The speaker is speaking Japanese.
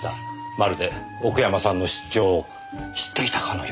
まるで奥山さんの出張を知っていたかのようですねぇ。